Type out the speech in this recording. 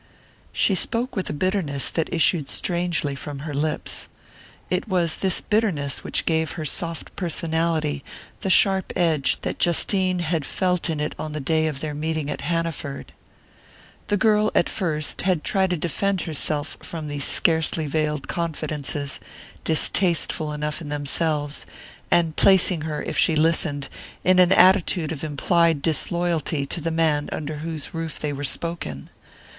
She spoke with a bitterness that issued strangely from her lips. It was this bitterness which gave her soft personality the sharp edge that Justine had felt in it on the day of their meeting at Hanaford. The girl, at first, had tried to defend herself from these scarcely veiled confidences, distasteful enough in themselves, and placing her, if she listened, in an attitude of implied disloyalty to the man under whose roof they were spoken.